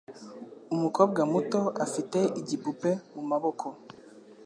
Umukobwa muto afite igipupe mumaboko.